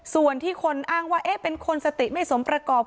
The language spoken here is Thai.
ส่วนที่คนอ้างว่าเป็นคนสติไม่สมประกอบ